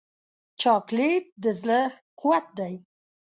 چاکلېټ د زړه قوت دی.